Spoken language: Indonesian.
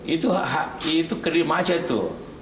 itu kering macam itu